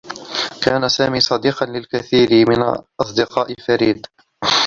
كان سامي صديقا للكثير من أصدقاء فريد.